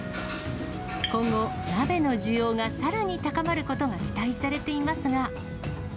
今後、鍋の需要がさらに高まることが期待されていますが。